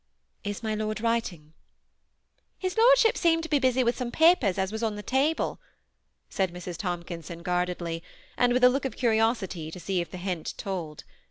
" Is my lord writing ?"" His lordship seemed to be busy with some papers as was on the table," said Mrs. Tomkinson, guardedly, and with a look of curiosity to see if the hint told.